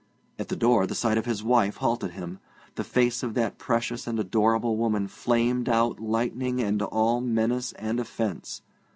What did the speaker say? At the door the sight of his wife halted him. The face of that precious and adorable woman flamed out lightning and all menace and offence.